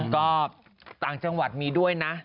ก็ต่างจังหวัดมีด้วยนะ